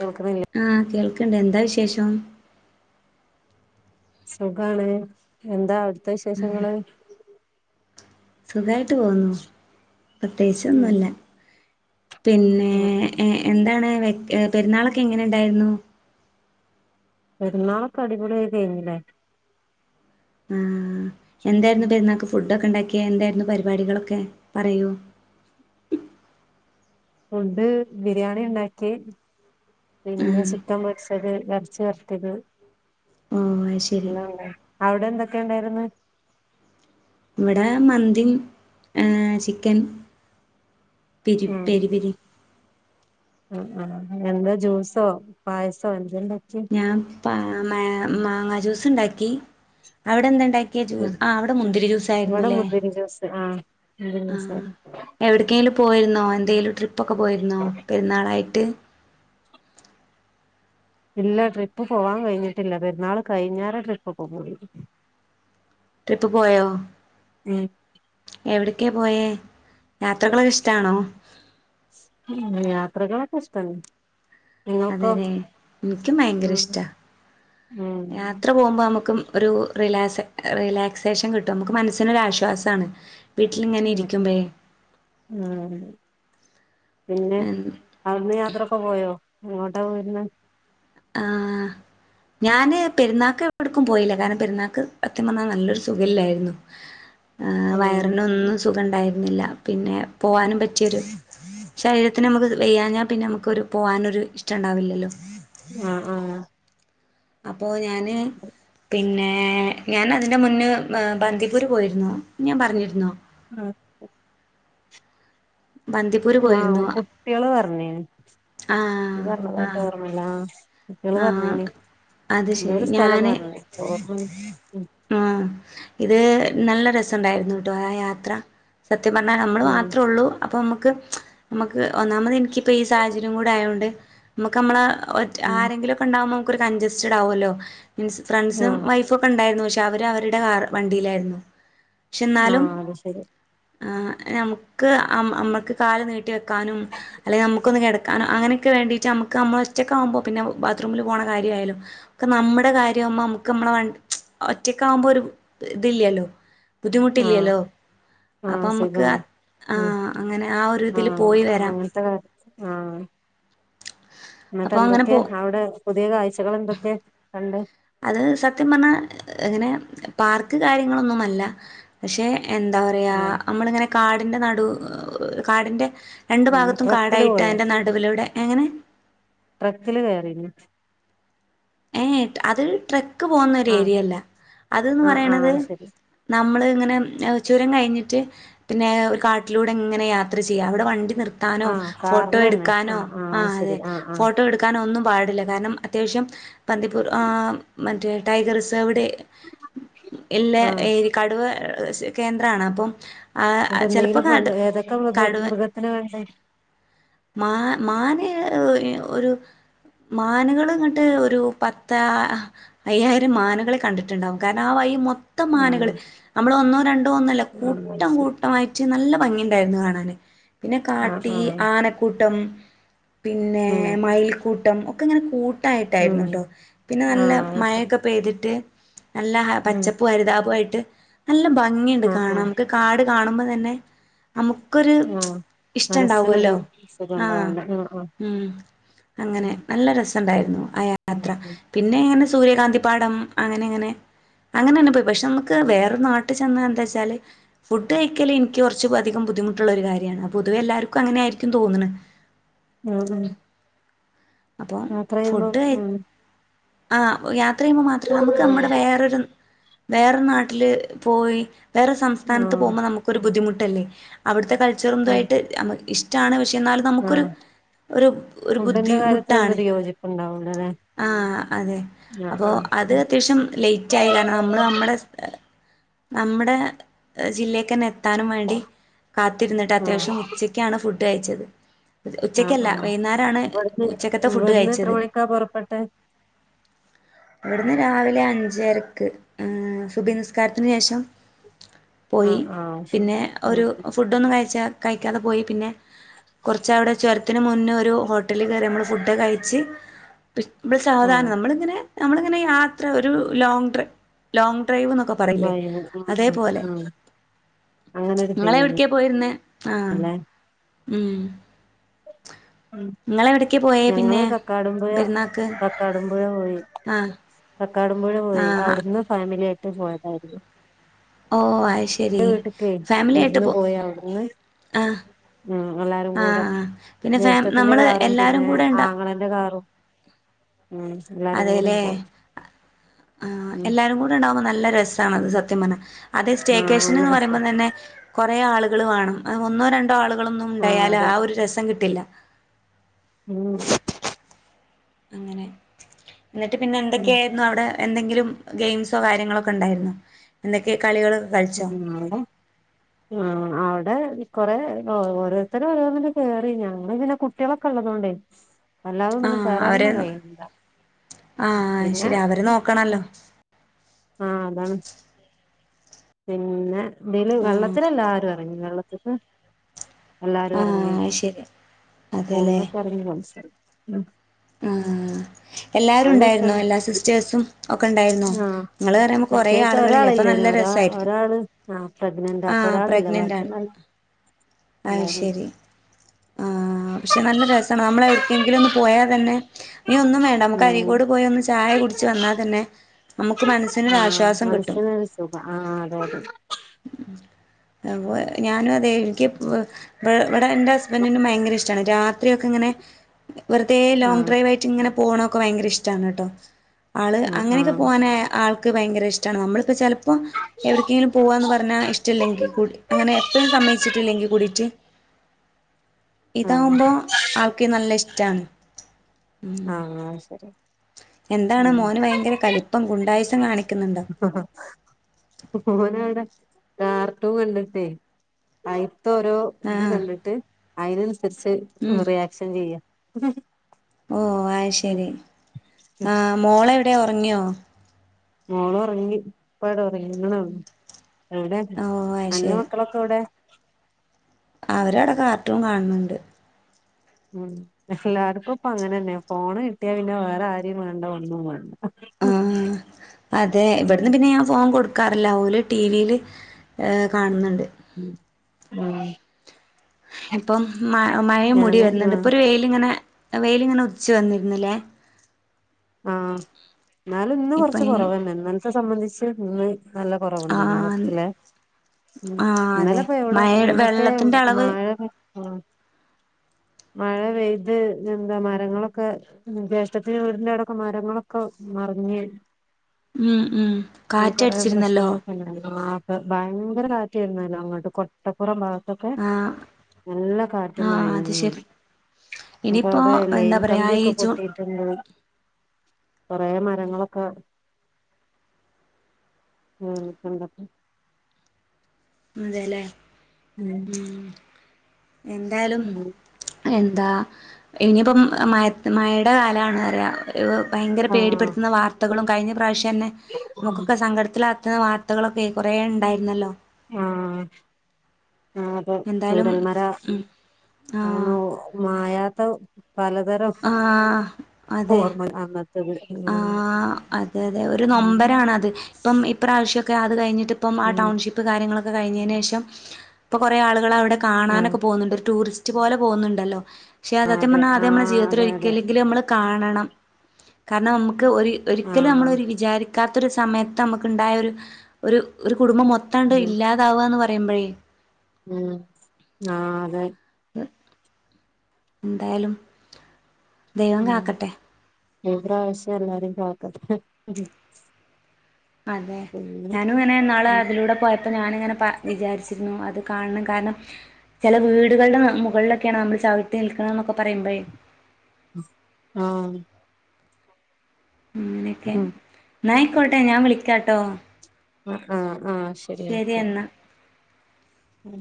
കേൾക്കണില്ലേ ആ കേൾക്ക പിന്നെന്താ വിശേഷം സുഖാണ് എന്ത വിശേഷങ്ങള് സുഖായിട്ട് പോവുന്നു ഉം പ്രത്യേകിച്ചൊന്നുല്ല പിന്നേ ഉം ഉം എ എന്താണ് എ പെരുന്നാളൊക്കെ എങ്ങനെ ണ്ടായിരുന്നു പെരുന്നാളൊക്കെ അടിപൊളിയായി കഴിഞ്ഞില്ലേ ആ എന്തായിരുന്നു പെരുന്നാൾക്ക് ഫു ഫുടൊക്കെ ഉണ്ടാക്കിയെ എന്തായിരുന്നു പരിപാടികളൊക്കെ പറയൂ ഫുഡ് ബിരിയാണി ഇണ്ടാക്കി പിന്നെ ആഹ് ചിക്കൻ പൊര്ചത് എറച്ചി വർത്തത് ആ അയ്ശരി അവ്ടെ എന്തൊക്കെണ്ടായ്ര്ന്ന് ഇവിടെ മന്തും ഏ ചിക്കൻ പെരു പെരി പെരിം ആ ആ എന്താ ജ്യൂസോ പായസോ എന്തേണ്ടാ ഞാം മാ മാ മാങ്ങാ ജ്യൂസ്ണ്ടാക്കി അവിടെ എന്തണ്ടാ എ ജ്യൂ ആഹ് ആ അവ്ടെ മുന്തിരി ഇവിടെ ജൂസായിര്ന്നൂല്ലേ മുന്തിരി ജ്യൂസ് ആഹ് മുന്തിരി ആ ജ്യൂസായിരുന്നു എവിട്ക്കേലും പോയിര്ന്നോ എന്തേലും ട്രി ഇപ്പൊക്കെ പോയിരുന്ന പെരുന്നാളായി ട്ട് ഇല്ല ട്രിപ്പ് പോവാൻ കഴിഞ്ഞിട്ടില്ല പെരുന്നാള് കഴിഞ്ഞാരെ ട്രിപ്പാെക്കെ പോയി ട്രിപ്പ് പോയോ ഉം എവിട്ക്കേ പോയേ യാത്രകളൊക്കെ ഇഷ്ടാണോ യാത്രകളൊക്കെഷ്ട്ടാണ് അതേ ലെ ൻക്കും ഭയങ്കര ഉം ഇഷ്ടാ ഉം യാത്ര പോകുമ്പോ നമുക്കും ഒരു റിലാക്സ് എ റിലാക്സേഷൻ കിട്ടും മ്മക്ക് മനസിനൊരാശ്വാസാണ് ഉ ഉ ഉമ് പിന്നെ അവ്ട്ന്ന് യാത്രോ പോയോ അങ്ങോട്ട പോയിരുന്നെ ആഹ് ഞാന് പെരുന്നാക്ക് എപ്പടക്കും പോയില്ല കാരണം പെരുന്നാക്ക് അത്യം പറഞ്ഞാ നല്ലൊരു സുഖല്യാരൂന്നു ആഹ്‌ ഉം വയറിനൊന്നും സുഖണ്ടായ് ഇല്ല പിന്നെ പോവാനും പറ്റിയൊരു ശരീരത്തിന് നമുക്ക് വയ്യാഞ്ഞാ പിന്നെ നമുക്ക് ഒരു പോവാനൊരു ഇഷ്ടം ഉണ്ടാവില്ലല്ലോ ആഹ് ആഹ്‌ പ്പോ ഞാന് പിന്നെ ഏഹ് ഞാൻഅതിൻ്റെ മുന്ന് ബന്തിപൂര് പോയിരുന്നു ഞാൻ പറഞ്ഞിരുന്നോ ആഹ ബന്ദിപ്പൂര് ങ്ങാവു പോയിരുന്നു കുട്ടിയേള് പറഞ് നി ആഹ് പറഞ്ഞതായിട്ട് ആഹ് ഓർമ്മല്ല ആഹ്‌ കുട്ടേള് ആഹ് പറഞ്ഞിന് അത് ശരി എന്തോരുസ്ഥലം ഞാന് പറഞ് ഓർമ ആഹ് ഇത് നല്ല രസണ്ടായിരുന്നു ട്ടോ ആ യാത്ര സത്യം പറഞ്ഞാ നമ്മള് ആഹ് മാത്രോള്ളൂ അപ്പംനമ്മ ക്ക്‌ ച്ച നമുക്ക് ഒന്നാമത് എനി ഇപ്പ സാഹചര്യം ന്നുംകൂടായൊണ്ട് നമ്മക്ക്‌ നമ്മളെ ഒറ്റ് ഉം ആരെങ്കിലൊക്കെ ഇണ്ടാമു ഒരു കൺചസ്റ്റഡ് ആവൊല്ലോ മീൻസ് ഫ്രണ്ട്സും ആഹ് വൈഫും ഒക്കെ ഉണ്ടായിരുന്നു പ ക്ഷെ അവര് അവരുടെ കാർ വണ്ടിയിലായിരുന്നു പക്ഷെ എന്നാലും ആഹ് അത് ശരി ആഹ് നമുക്ക് അമ്മ അമ്മക്ക് കാല് നീട്ടി വെ ക്കാനും അല്ലങ്കി നമുക്കൊന്ന് കെടക്ക്‌ ക്കാനും അങ്ങനൊക്കെ വേണ്ടീട്ട് നമക്ക് നമ്മള് ഒറ്റക്കാവുമ്പോ പിന്ന ബാത്റൂമില് പോണ കാര്യ ആയാലും ഒക്കെ നമ്മടെ കാര്യാവ്മ്പം നമുക്ക് നമ്മളെ വണ്ടി ച്ച് ഒറ്റക്കാവുമ്പോ ഒരു ഇതില്ലല്ലോ. ആഹ് ബുദ്ധിമുട്ടില്ല്യല്ലോ ആഹ് അപ്പൊമ്മക്ക് സുഖാണ് ഉം ആഹ് അങ്ങനെ ആ ഒരു ഇതില് ആഹ് പോയി വരാം അങ്ങനത്തെ ആഹ് എന്നിട്ട് അപ്പോൾ അങ്ങനെ എന്തൊക്കെ പോ അവിടെ പുതിയ കാഴ്ചകൾ എന്തൊക്കെ കണ്ട് അത് സത്യം പറഞ്ഞാ എങ്ങനെ പാർക്ക് കാര്യങ്ങളൊന്നുമല്ല പക്ഷെ എന്താ പറയാ ആഹ് നമ്മള് ഇങ്ങനെ കാടിൻ്റെ നടു കാടിൻ്റെ രണ്ടു ആഹ് ഭാഗത്തും ട്രക്കില് കാടായിട്ട് പോയോ അയ്ന്റെ നടുവിലൂടെ എങ്ങനെ? ട്രക്കില് കേറിന്ന് ഏഹ് അത് ട്രക് ക്പോുന്നൊര് ആഹ് ഏരിയല്ല. അത് ന്ന് ആഹ് പറയണത് ആഹ് ശരി നമ്മള് ങ്ങനെ ചുരം കൈഞ്ഞിട്ട് പിന്നേ ഒരു കാട്ടിലൂടെ ഇങ്ങനെ യാത്ര ചെയ്യാ. അവിടെ വണ്ടി നിർത്താനോ ആഹ് ഫോട്ടോ കാറിലന്നെ എടുക്കാനോ അത് ആഹ് ശരി അതെ ആഹ് ആഹ് ഫോട്ടോ എടുക്കാനോ ഒന്നും പാടില്ല. ഗനം അത്യാവശ്യം പന്ദിപ്പൂർ ആഹ് മറ്റേ ടൈഗർ റിസേവ്ഡ് ഏ എല്ല ആഹ് ഏരി കടുവ. ഏ കേന്ദ്രണ് അപ്പം. ആഹ് എന്നിട്ട് ങ് ചെലപ്പോ എന്തെങ്കിലും കണ്ട് കടു ഏതൊക്കെ മൃഗ കടുവ മൃഗത്തിനെ കണ്ടേ മാ മാന് ങ് ഇ ഒരു മാന്കള് ഇങ്ങട്ട് ഒരു പത്താ അയ്യായിരംമാന്കളെ കണ്ട്ട്ട്ണ്ടാവും കാരണം ആ വഴി മൊ ത്തം ആഹ് മാനകള് നമ്മളൊന്നോ രണ്ടോന്നല്ല ആഹ് അത് കൂട്ടം ശരി കൂട്ടമായിട്ട് നല്ല ഭംഗിണ്ടായിരുന്നു കാണാന് പിന്നെ ആഹ് കാട്ടി ആഹ് ആനക്കൂട്ടം പിന്നേ ഉം മയിൽക്കൂ ട്ടം ഒക്കെങ്ങനെ കൂ ഉം ട്ടായിട്ടായിരുന്നുട്ടോ ഇന്ന് ആഹ് നല്ല അത് ശരി മഴക്കെ പെയ്തി ട്ട് നല്ല ഉം പച്ചപ്പൂ ഹരിതാപൂആയിട്ട് നല്ല ഭംഗിയുണ്ട് ആഹ് കാണാം ആഹ് നമുക്ക് കാട് കാണുമ്പോ തന്നെ നമുക്കൊരു ആഹ് ഇഷ് മനസ്സിനൊരു ഇഷ്ട്ടാണ്ടാവോല്ലോ സുഖം ആ ഉണ്ടാവുല്ലേ ആഹ് ആഹ് ഉംഅങ്ങനെ നല്ല ര ത്തണ്ടായിരുന്നു ആ യാത്ര ഉം പിന്നെ ഇങ്ങനെ സൂര്യകാന്തി പാഠം അങ്ങനെ അങ്ങനെ അങ്ങനെന്നെ പോയി പക്ഷെ അമ്മക്ക് വേറെ നാട്ടി ചെന്ന എന്താച്ചാല് ഫുഡ് കഴിക്കല് ഇനിക്ക് കുറച്ചധികം ബുദ്ധിമുട്ടുള്ളരു കാര്യാണ് അ പൊതുവെ എല്ലാർക്കും അങ്ങനെ ആയിരിക്കും തോന്ന്ണ് ഉം ഉം അപ്പൊ യാത്രയുമ്പം ഫുഡ് കയി ഉം ആ ഓ യാ ത്രയുമ്പോ മാത്രാ അമ്മക്ക് ആഹ് അമ്മടെ വേറൊരു വേറെ നാട്ടില് പോയി വേറെ സംസ്ഥാനത്ത് ആഹ് പോകുമ്പോ നമുക്കൊരു ബുദ്ധിമുട്ട് ട്ടല്ലേ അവിടു ത്തെ കൾച്ചറും ഉം എന്തുമായിട്ട് നമുക്ക് ഇഷ്ടം ഷ്ടാണ് പക്ഷെ എന്നാലും നമുക്കൊരു ആഹ് ഒരു ഒരു ഫുഡിന്റെ ബുദ്ധിമു ട്ടാണ് കാര്യത്തിലൊന്നൊരു യോജിപ്പുണ്ടാവൂലല്ലേ ആഹ് അതെ ആഹ് അപ്പോ ആഹ് അത് ഉം അത്യാവശ്യം ലേറ്റ് ആയ കാരണം നമ്മൾ നമ്മുടെ നമ്മുടെ ജില്ലെക്ക് തന്നെ എത്താനും വേണ്ടി കാത്തിരുന്നിട്ട് ആഹ് അത്യാവശ്യം ഉച്ചക്കാണ് ഫുഡ് ഫുഡ് കയിച്ചത് ഉച്ചക്കല്ല വൈന്നേരാണ് ഉച്ചക്കത്തെ ഇവിട്ന്ന് എത്ര മണിക്കാ പൊറപ്പെട്ടെ? ഇവിട്ന്ന് രാവിലെ അഞ്ചരക്ക് ഏഹ് സുബഹ് നിസ്കാരത്തിന് ശേഷം പോയി ആഹ് ആഹ് ശരി പിന്നെ ഉം ഒരു ഫുഡൊന്നും കഴിച്ചാ കഴിക്കാതെ പോയി. പിന്നെ കുറച്ച് അവടെ ചൊര ത്തിന് മുന്നേ ഒരു ഹോട്ടല് കേറി നമ്മള് ഫുഡ് കഴിച്ച് [unintelligible] ആഹ് നമ്മള്ങ്ങനെ നമ്മളിങ്ങനെ യാത്ര ഒരു ലോങ് ട്രി ലോങ് ഡ്രൈവ്ന്നൊക്കെ പറയില്ലേ ഉം ഉം അതേപോലെ ഉം അങ്ങനൊരു ഇങ്ങളെവ്ട്ക്കേ ഫീലിംഗ്ല്ലേ പോയിര്ന്ന് ആഹ് മ് മ് ഞങ്ങള് പിന്നെ കടക്കാടുംപുഴ പെരുന്നാക്ക് കാക്കാടുംപുഴ പോയി ആഹ് തൊടുമ്പോഴ പോയി ആഹ് അവിടുന്ന് ഫാമിലി അയ് ഇന്ന് പോയതായിരുന്നു ഓഹ് ആയി എൻ്റെ വീട്ടക്ക് വിരുന്ന് പോയാ അവിടുന്ന് ആഹ് മ്മ് എല്ലാരും ആഹ് കൂടെ ആഹ് പിന്നെ ഫാ ജ്യേഷ്ഠത്തിന്റെ നമ്മള് കാറും എല്ലാരും പിന്നെ കൂടെ ഇണ്ട ആങ്ങളെന്റെ കാറും ഉം എല്ലാരും കൂടി അതെല്ലേ പോയി ആഹ് ഉം എല്ലാരും കൂടെ ഉണ്ടാകുമ്പോ നല്ല രസാണത് സത്യം പറഞ്ഞാൽ അതെ ആഹ് സ്റ്റേക്കേഷൻ നല്ല എന്ന് രസാ പറയുമ്പോൾ തന്നെ കുറേ ആൾ- വേണം അത് ഒന്നോ രണ്ടോ ആളുകളൊന്നും ആഹ് ഉണ്ടായാൽ ആ ഒരു രസം കിട്ടില്ല മ്മ് അങ്ങനെ എന്നിട്ട് പിന്നെ ഉം എന്തൊക്കെയായിരുന്നു അവിടെ എന്തെങ്കിലും ഗെയിംസോ കാര്യങ്ങളോക്കെ ഉണ്ടായിരുന്നു എന്തൊക്കെ? കളികളൊക്കെ കളിച്ചോ ഉം അവിടെ ആഹ് അവിടെ കൊറെ ഓരോരുത്തര് ഓരോന്നിൽ കേറി ഞങ്ങൾ പിന്നെ കുട്ടികളൊക്കെ ഉള്ളതുകൊണ്ടേ അല്ലാതെ ഒന്നിലും ആഹ് അവരെ കേറാനൊന്നും കഴില്ല ആഹ് പിന്നെ ശരി അവരെ നോക്കണല്ലോ ആഹ് അതാണ് പിന്നെ എന്തേല് വെള്ളത്തിലല്ല ആര് വെള്ളത്ത്ക്ക് എല്ലാരും ഇറങ്ങി ആഹ് ശരി ഫോണിലൊക്കെ ഇറങ്ങി [unintelligible] ആ എല്ലാരും നല്ല ഉണ്ടായിരുന്നോ രസാണ് എല്ലാ സിസ്റ്റേഴ്സും ഒക്കെ ഉണ്ടായിരുന്നോ ആ ഇങ്ങള് പറയുമ്പോ കൊറേ സിസ്റ്റേഴ്സ് ആളുകളില്ലേ അപ്പൊ ഒരാളില്ലേനു നല്ല ഒരാ രസായി ഒരാള് ആ പ്രഗ്നന്റാ ആ അപ്പൊ ഒരാളില്ല പ്രഗ്ന്റാ ബാക്കിയുള്ള എല്ലാരും ഉണ്ടായിരുന്നു. അതുശരി നല്ലരസാണ് നമ്മളെ- എങ്കിലു ഒന്ന് പോയാ- തന്നെ ഇനി ഒന്നും വേണ്ട നമക്ക് അരീക്കോട് പോയി ഒന്ന് ചായ ഉം കുടിച്ചുവന്നാതന്നെ നമുക്ക് ആഹ് മനസ്സിനൊരാശ്വാസം കിട്ടും മനസ്സിനൊരു സുഖം ആഹ് അതെ അതെ ഉവ്വ ഞാനുവ- ദെ എനിക്ക് ഇവ് ഇവിടെ എന്റെ ഹസ്ബൻഡറ്റിനും ഭയങ്കരിഷ്- റ്റാണ് രാത്രിയൊക്കെ ഇങ്ങനെ പേ ലോങ് ആഹ് ഡ്രൈവായിട്ടിങ്ങനെ പോവൊണം ഒക്കെ ഭയങ്കര ഇഷ്ടാണട്ടോ ആള് അങ്ങനെയൊക്കെ ആഹ് പോവാൻ അയ ആൾക്ക് ഭയങ്കരഇഷ്- നമ്മൾ ഇപ്പം ചെല ഇപ്പൊ എവിടക്കെങ്കിലും പോവാന്ന് പറഞ്ഞാ ഇഷ്ടമല്ലെങ്കിൽ കൂടി അങ്ങനെ എപ്പോഴും സമ്മതിച്ചിട്ടില്ലെങ്കിൽ കൂടിട്ട് ആഹ് ഇതാവുമ്പോ ആൾക്ക് നല്ല ഇഷ് റ്റാന്ന് ഉം ആഹ് ആഹ് അത് ശരി എന്താണ് മോന് ഭയങ്കര കലിപ്പം ഗുണ്ടായിസം കാണി മോനാടെ കാർട്ടൂൻ കണ്ടിട്ടേ അയ് തോരൊ ആ ഇത് കണ്ടിട്ട് അയിനന്സരിച്ച് ഉം റിയാക്ഷൻ ചെയ്യാ ഓ ഉം അയ്ശരി ആഹ് മോളെവി ടെ ഒറങ്ങ്യോ മോളൊറങ്ങി പ്പടൊറങ്ങിങ്ങളെളു എവിടെ ഓ അത് അൻ്റെ മക്കളൊക്കെ എവിടെ [inaudible] അവര് അവടെ കാർട്ടൂൺ കാണ്നുണ്ട് ഉം എല്ലാർക്കും ഇപ്പ അങ്ങനെ തന്നെ ഫോണ് കിട്ടിയ പിന്നെ വേറെ ആരെയും വേണ്ട ഒന്നും വേണ്ട ആ അതെ ഉം ഇവടന്ന് പിന്നെ ഞാൻ ഫോൺ കൊടു ക്കാറില്ല ഓല് ടി വി യില് കാണുന്നുണ്ട് ഉം ആഹ് ഇപ്പം മ മഴയ് മൂടി ഞാന് വരുന്നുണ്ട് ആഹ് ഇപ്പൊ ഒരു വെയിലിങ്ങനെ വെയില് ഇങ്ങനെ ഉതിച്ച് വന്നിരുന്നുല്ലേ ആഹ് എന്നാലും ഇന്ന് ഇപ്പൊ കൊറച്ച് ഇനി കൊറവന്നെ ഇന്നൽത്ത സംബന്ധിച്ച് വെ നല്ല കൊറവുണ്ട് ആഹ് മാനത്തിലെ ആഹ് ഇന്നലെ അതെ ഇപ്പൊ ഇവിടെ മഴ ഇവിടെയൊക്കെ വെള്ളത്തിന്റെ അളവ് മഴ ആ മഴ പെയ്ത് എന്താ മരങ്ങളൊക്കെ ജേഷ്ഠത്തിന്റെ വീടിൻ്റെ അവടെ ഒക്കെ മരങ്ങളൊക്കെ മറിഞ്ഞ് ഉം ഉം കാറ്റടിച്ചിരുന്നല്ലോ ഭ ഭയങ്കര കാറ്റായിരുന്നല്ലോ അങ്ങോട്ട് കൊട്ടപ്പുറം ഭാ ത്തൊക്കെ ആഹ് നല്ല കാറ്റും ആഹ് മഴയും അത് ശരി [unintelligible] അപ്പ ഇനിയിപ്പോ അതെ ലൈൻ എന്താ പറയാ ഈ കമ്പിയൊക്കെ ജൂൺ പൊട്ടിയിട്ടുണ്ട്. കൊറെ മരങ്ങളൊക്കെ ഉം [unintelligible] അതേലെ ഉം എന്തായാലും. ഉം എന്താ ഇനിയിപ്പം മഴത് മഴേട കാലാണ് [unintelligible] ഭയങ്കര ആഹ് പേടിപ്പെടുത്തുന്ന വാർത്തകളും കഴിഞ്ഞ പ്രാവ്ശ് [unintelligible] നമുക്കൊക്കെ സങ്കടത്തിലാ [unintelligible] വാർത്തകളൊക്കെ കൊറെ ഇണ്ടായിരുന്നല്ലോ ആഹ് ആ അതെ എന്തായാലും ചൂരൽമര ഉം ആഹ് [unintelligible] മായാ [unintelligible] ആഹ് അതെ ഓർമ്മ അന്നത്തത് ആഹ് അതെ അതെ ഒരു ഉം നൊമ്പരാണത് ഇപ്പം ഇപ്രാവശ്യം ഒക്കെ അത് കഴിഞ്ഞ് ട്ടിപ്പം ആഹ് ഉം ടൗൺഷിപ്പ് കാര്യങ്ങളും കഴിഞ്ഞേനു ശേഷം ഇപ്പ കൊറെ ആളു അവിടെ ആഹ് കാണാനൊക്കെ പോകുന്നുണ്ട് ടൂറിസ്റ്റ് റ്റ് പോലെ പോകുന്നുണ്ടല്ലോ ക്ഷേ സത്യം അതെ പറഞ്ഞാ അത്‌ നമ്മടെ ആഹ് അതെ അതെ ജീവിതത്തിലൊരികലങ്കിലും നമ്മള് കാണണം കാരണം നമ്മക്ക് ക്ക് ഒ ഒരിക്കലും നമ്മൾ ആഹ് ഒരു വിചാരിക കാത്തൊരു സമയത്ത് നമുക്ക് ഉണ്ടായ രു ഒരു ഒരു ഒരു കുടുംബം മൊത്താണ്ട് ഉം ഇല്ലാതാവാ എന്ന് പറ [unintelligible] ഉം ആ അതെ എന്തായാലും ദൈവം ഉം കാാക്കട്ടെ ഈ പ്രാവശ്യം എല്ലാരെ [unintelligible] അതെ ഞാനും ഇങ്ങനെ നാളെ അതിലൂടെ പോയ അപ്പൊ ഞാനിങ്ങനെ പ വിചാരിച്ചിരുന്നു അത് കാണണം കാരണം ചില വീടുകളുടെ മുകളിലൊക്കെയാണ് നമ്മൾ ചവിട്ടി നിൽക്കണ എന്നൊക്കെ പറയുമ്പഴ ആ നൊക്കെ നായ്ക്കോട്ടെ ഞാൻ വിളിക്കാട്ടോ ആ ആആശരി ശരി ഓക്കെ എന്നാ ഉം